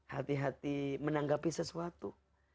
hati hati menanggapi sesuatu